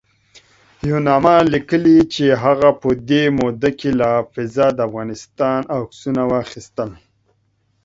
یوناما لیکلي چې هغه په دې موده کې له فضا د افغانستان عکسونه واخیستل